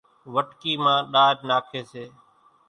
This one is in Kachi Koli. وٽڪي مان ڏار ناکي سي